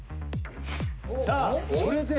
さあそれで？